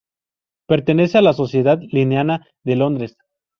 Pertenece a la Sociedad linneana de Londres.